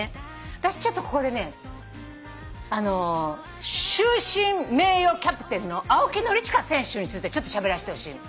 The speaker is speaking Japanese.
私ちょっとここでね終身名誉キャプテンの青木宣親選手についてちょっとしゃべらしてほしいの。